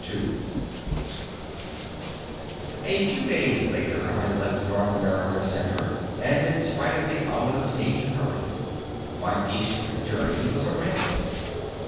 II A few days later, I left North America Center, and in spite of the ominous need to hurry, my eastward journey was a ramble.